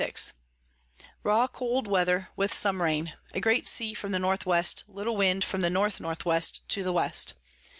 6._ Raw cold Weather, with some Rain. A great Sea from the N W. little Wind from the N N W. to the West.